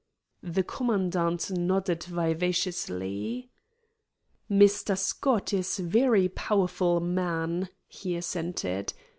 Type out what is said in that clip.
The commandant nodded vivaciously. "Mr. Scott is very powerful man," he assented.